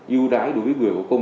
ưu đãi đối với người hữu công